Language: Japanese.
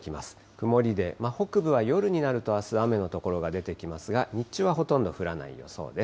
曇りで、北部は夜になるとあす雨の所が出てきますが、日中はほとんど降らない予想です。